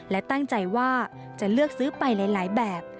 และตั้งใจว่าจะเลือกซื้อไปหลายแบบ